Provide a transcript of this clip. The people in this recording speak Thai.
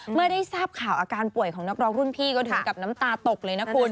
เมื่อได้ทราบข่าวอาการป่วยของนักร้องรุ่นพี่ก็ถึงกับน้ำตาตกเลยนะคุณ